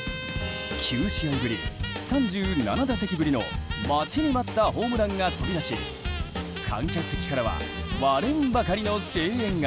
９試合ぶり、３７打席ぶりの待ちに待ったホームランが飛び出し観客席からは割れんばかりの声援が。